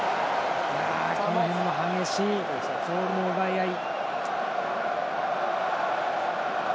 この辺の激しいボールの奪い合い。